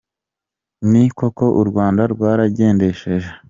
Nti «koko u Rwanda rwaragendesheje !»